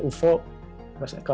dia pernah berkomentar tentang ini